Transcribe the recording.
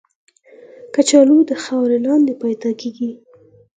کچالو د خاورې لاندې پیدا کېږي